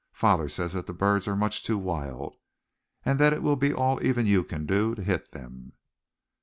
Father says that the birds are much too wild, and that it will be all even you can do to hit them."